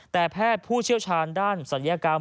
แต่แพทย์ผู้เชี่ยวชาญด้านศัลยกรรม